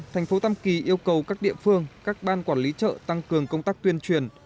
thành phố tam kỳ yêu cầu các địa phương các ban quản lý chợ tăng cường công tác tuyên truyền